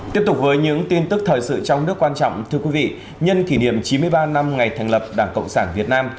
tiếp tục với những tin tức thời sự trong nước quan trọng thưa quý vị nhân kỷ niệm chín mươi ba năm ngày thành lập đảng cộng sản việt nam